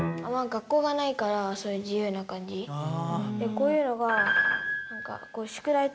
こういうのが。